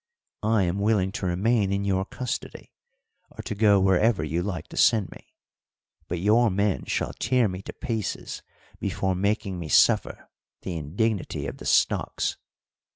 I am willing to remain in your custody, or to go wherever you like to send me; but your men shall tear me to pieces before making me suffer the indignity of the stocks.